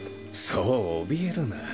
そうおびえるな。